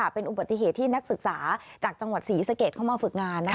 เป็นอุบัติเหตุที่นักศึกษาจากจังหวัดศรีสะเกดเข้ามาฝึกงาน